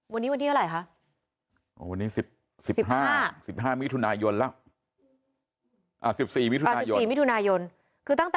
วันนี้วันนี้อะไรคะ